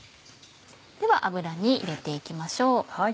では油に入れて行きましょう。